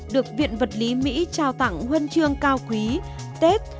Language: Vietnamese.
được viện vật lý mỹ trao tặng huyên trương cao quý tết